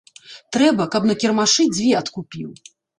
Трэба, каб на кірмашы дзве адкупіў.